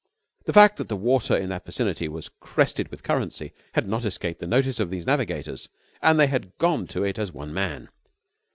The fact that the water in that vicinity was crested with currency had not escaped the notice of these navigators and they had gone to it as one man.